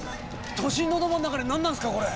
都心のど真ん中で何なんすかこれ。